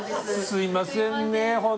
すいません